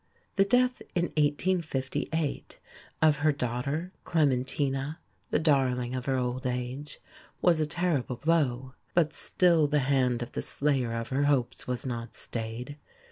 The death in 1858 of her daughter, Clementina, the darling of her old age, was a terrible blow; but still the hand of the slayer of her hopes was not stayed.